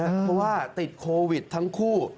เพราะว่าติดโควิดทั้งคู่